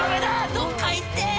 どっか行って！」